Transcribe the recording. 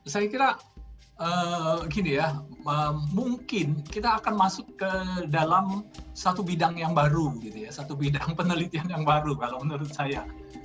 saya kira gini ya mungkin kita akan masuk ke dalam satu bidang yang baru gitu ya satu bidang penelitian yang baru kalau menurut saya